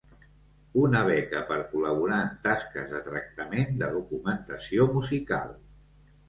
Una beca per col·laborar en tasques de tractament de documentació musical.